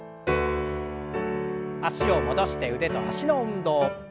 脚を戻して腕と脚の運動。